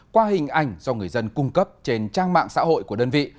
qua hình ảnh do người dân cung cấp trên trang mạng xã hội của đơn vị